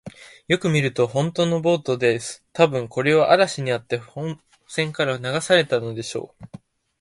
よく見ると、ほんとのボートです。たぶん、これは嵐にあって本船から流されたのでしょう。